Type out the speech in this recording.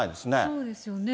そうですよね。